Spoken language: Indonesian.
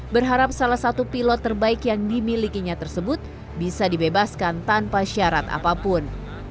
berharap salah satu pilot terbaik yang dimilikinya tersebut bisa dibebaskan tanpa syarat apapun